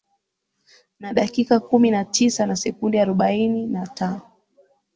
na dakika kumi na tisa na sekunde arobaini na ta